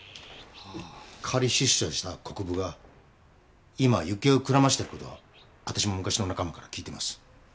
仮出所した国府が今行方をくらましてることはわたしも昔の仲間から聞いてます。